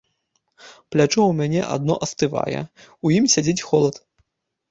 Плячо ў мяне адно астывае, у ім сядзіць холад.